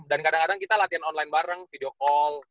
dan kadang kadang kita latihan online bareng video call